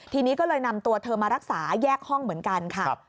ทีนี้ก็เลยนำตัวเธอมารักษาแยกห้องเหมือนกันค่ะ